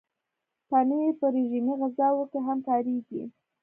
پنېر په رژیمي غذاوو کې هم کارېږي.